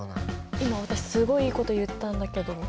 今私すごいいいこと言ったんだけど。